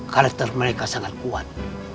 karakter mereka sangat kuat